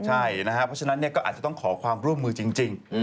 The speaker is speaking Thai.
ใช่นะครับเพราะฉะนั้นก็อาจจะต้องขอความร่วมมือจริง